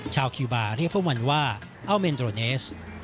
ชาวคิวบาเรียกพวกมันว่าเอาเมนโดรเนส